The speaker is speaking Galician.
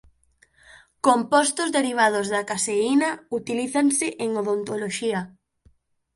Compostos derivados da caseína utilízanse en odontoloxía.